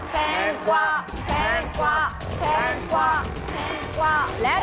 แพงกว่าแพงกว่าแพงกว่าแพงกว่าและ